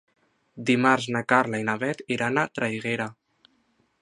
Dimarts na Carla i na Bet iran a Traiguera.